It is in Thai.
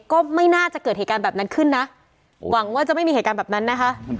ก็ไม่น่าจะเกิดเหตุการณ์แบบนั้นขึ้นนะหวังว่าจะไม่มีเหตุการณ์แบบนั้นนะคะ